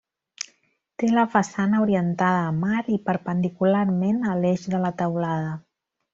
Té la façana orientada a mar i perpendicularment a l'eix de la teulada.